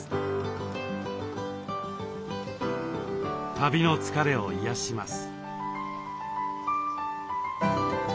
旅の疲れを癒やします。